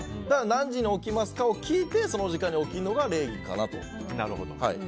何時に起きますかを聞いてその時間に起きるのが礼儀かなと。